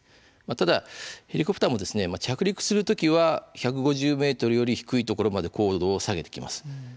ただヘリコプターも着陸する時は１５０ｍより低いところまで高度を下げてきます。